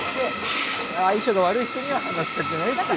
相性が悪い人には話しかけないっていう。